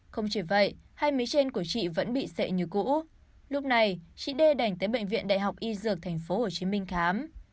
không chỉ vậy hai mí trên của chị vẫn bị sệ như cũ lúc này chị d đành tới bệnh viện đại học y dược tp hcm khám